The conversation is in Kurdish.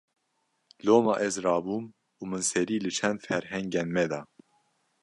Loma ez rabûm û min serî li çend ferhengên me da